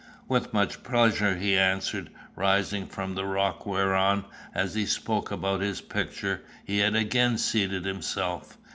"With much pleasure," he answered, rising from the rock whereon, as he spoke about his picture, he had again seated himself.